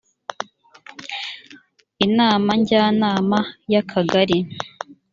inama njyanama y akagari